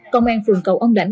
công an phường cầu âm đảnh